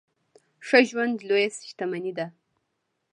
ښه ژوند لويه شتمني ده.